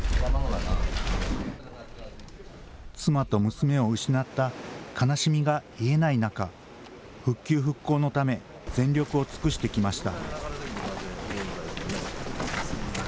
妻と娘を失った悲しみが癒えない中、復旧・復興のため、全力を尽くしてきました。